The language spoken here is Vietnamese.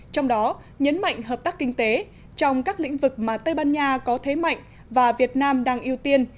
trong đó nhấn mạnh hợp tác kinh tế trong các lĩnh vực mà tây ban nha có thế mạnh và việt nam đang ưu tiên